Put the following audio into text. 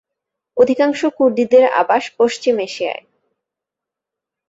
অধিকাংশ কুর্দিদের আবাস পশ্চিম এশিয়ায়।